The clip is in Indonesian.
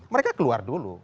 mereka keluar dulu